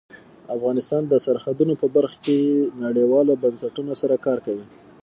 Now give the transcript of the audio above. افغانستان د سرحدونه په برخه کې نړیوالو بنسټونو سره کار کوي.